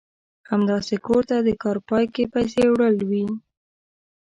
همداسې کور ته د کار پای کې پيسې وړل وي.